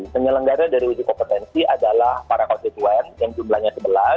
menyelenggarakan uji kompetensi adalah para konstituen yang jumlahnya sebelas